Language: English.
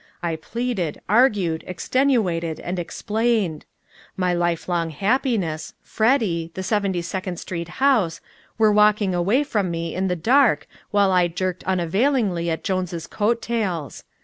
I pleaded, argued, extenuated and explained. My lifelong happiness Freddy the Seventy second Street house were walking away from me in the dark while I jerked unavailingly at Jones' coat tails.